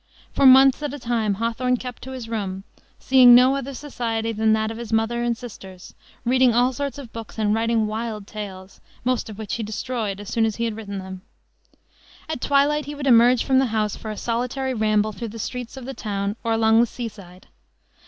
For months at a time Hawthorne kept his room, seeing no other society than that of his mother and sisters, reading all sorts of books and writing wild tales, most of which he destroyed as soon as he had written them. At twilight he would emerge from the house for a solitary ramble through the streets of the town or along the sea side.